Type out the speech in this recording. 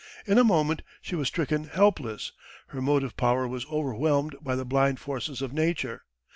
In a moment she was stricken helpless; her motive power was overwhelmed by the blind forces of Nature.